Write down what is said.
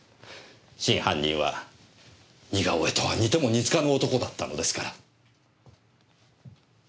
真犯人は似顔絵とは似ても似つかぬ男だったのですから。